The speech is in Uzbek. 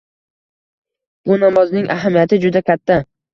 Bu namozning ahamiyati juda katta.